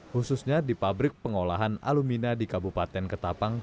khususnya di pabrik pengolahan alumina di kabupaten ketapang